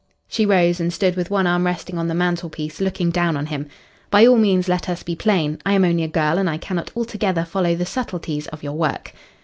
She rose and stood with one arm resting on the mantelpiece, looking down on him. "By all means let us be plain. I am only a girl and I cannot altogether follow the subtleties of your work."